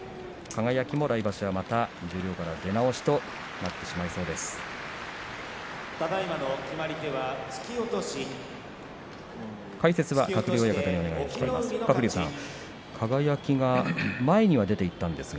輝も来場所は、また十両から出直しということになってしまいそうです。